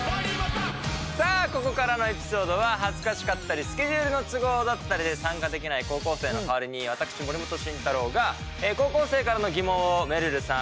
さあここからのエピソードは恥ずかしかったりスケジュールの都合だったりで参加できない高校生の代わりに私森本慎太郎が高校生からの疑問をめるるさん